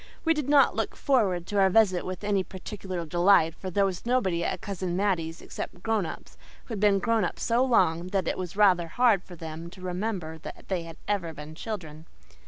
We did not look forward to our visit with any particular delight, for there was nobody at Cousin Mattie's except grown ups who had been grown up so long that it was rather hard for them to remember they had ever been children.